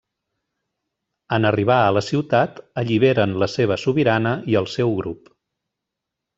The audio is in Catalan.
En arribar a la ciutat alliberen la seva sobirana i el seu grup.